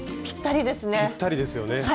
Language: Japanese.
ぴったりですよね。